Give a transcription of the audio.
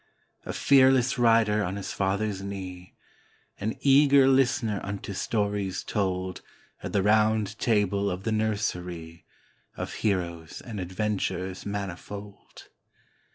A fearless rider on his father's knee, An eager listener unto stories told At the Round Table of the nursery, Of heroes and adventures manifold.